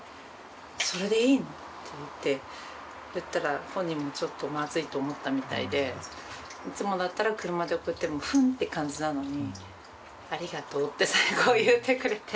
それでいいの？って言ったら本人もちょっとまずいと思ったみたいでいつもだったら車で送ってもフンッて感じなのに「ありがとう」って最後言ってくれて。